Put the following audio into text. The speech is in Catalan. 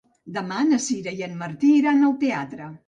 Demà na Sira i en Martí iran al teatre.